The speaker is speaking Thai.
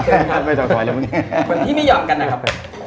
คนที่ไม่ยอมกันนะครับ